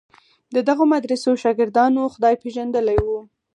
د دغو مدرسو شاګردانو خدای پېژندلی و.